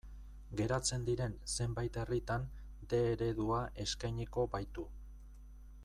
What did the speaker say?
Geratzen diren zenbait herritan D eredua eskainiko baitu.